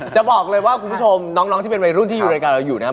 จะบอกเลยว่าคุณผู้ชมน้องที่เป็นวัยรุ่นที่อยู่รายการเราอยู่นะครับ